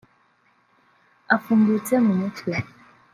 Afungutse mu mutwe